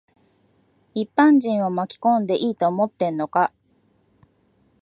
一般人を巻き込んでいいと思ってんのか。